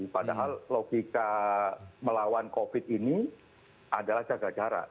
padahal logika melawan covid ini adalah jaga jarak